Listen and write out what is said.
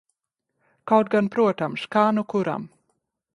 Kaut gan, protams, kā nu kuram.